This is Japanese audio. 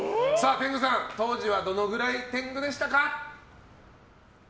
天狗さん、当時はどのくらい天狗でしたか？